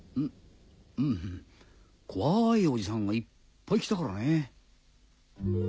ん怖いおじさんがいっぱい来たからね。